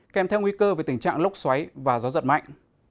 kèm theo nguy cơ về tình trạng lốc xoáy và gió giật mạnh